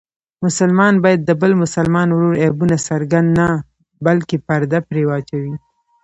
مسلمان باید د بل مسلمان ورور عیبونه څرګند نه بلکې پرده پرې واچوي.